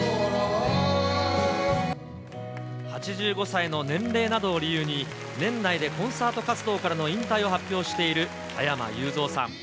８５歳の年齢などを理由に、年内でコンサート活動からの引退を発表している加山雄三さん。